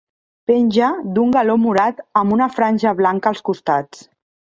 Penja d'un galó morat amb una franja blanca als costats.